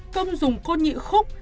công dùng côn nhị khúc